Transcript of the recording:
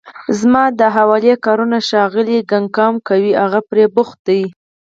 زما د حوالې کارونه ښاغلی کننګهم کوي، هغه پرې بوخت دی.